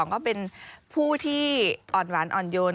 ก็เป็นผู้ที่อ่อนหวานอ่อนโยน